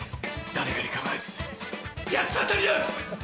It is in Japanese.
「誰彼構わず八つ当たりだ！」